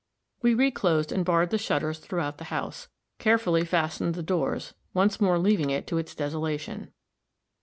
We reclosed and barred the shutters throughout the house, carefully fastened the doors, once more leaving it to its desolation.